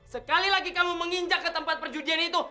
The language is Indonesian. sekali lagi kamu menginjak ke tempat perjudian itu